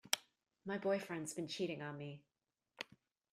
My boyfriend's been cheating on me.